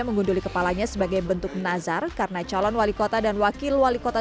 mengunduli kepalanya sebagai bentuk nazar karena calon wali kota dan wakil wali kota